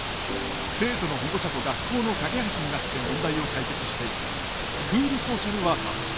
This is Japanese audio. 生徒の保護者と学校の架け橋になって問題を解決していくスクールソーシャルワーカーです。